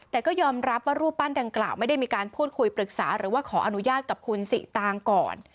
แต่ก็ยอมรับว่ารูปปั้นดังกล่าวไม่ได้มีการพูดคุยปรึกษาหรือว่าขออนุญาตกับคุณสิตางก่อน